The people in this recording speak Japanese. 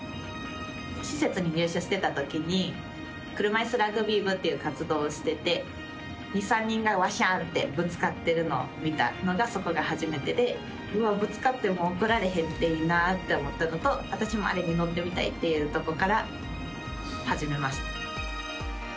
施設に入所してたときに車いすラグビー部という活動をしていて２３人がガシャンとぶつかっているのを見たのがそこが初めてで、ぶつかっても怒られへんっていいなって思ったのと私もあれに乗ってみたいっていうので始めました。